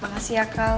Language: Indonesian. makasih ya kal